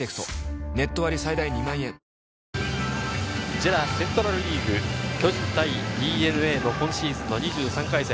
ＪＥＲＡセントラルリーグ巨人対ＤｅＮＡの今シーズンの２３回戦。